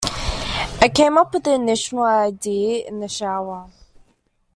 I came up with the initial idea it in the shower.